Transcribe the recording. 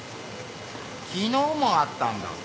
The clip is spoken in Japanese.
昨日もあったんだって？